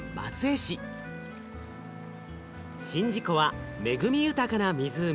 宍道湖は恵み豊かな湖。